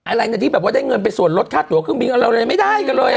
อะไรกันที่ได้เงินไปส่วนรถค่าตั๋ว๑๙๖๖ไม่ได้กันเลย